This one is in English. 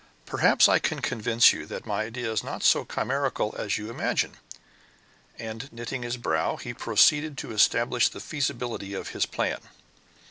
"Perhaps I can convince you that my idea is not so chimerical as you imagine." And, knitting his brow, he proceeded to establish the feasibility of his plan.